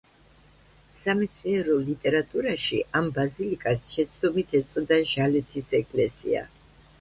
სამეცნიერო ლიტერატურაში ამ ბაზილიკას შეცდომით ეწოდა ჟალეთის ეკლესია.